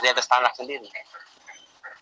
di atas tanah sendiri